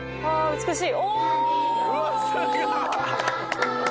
「美しい！」